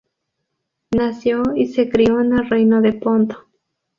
Nació y se crio en el Reino de Ponto.